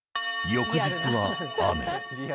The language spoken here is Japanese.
翌日は雨。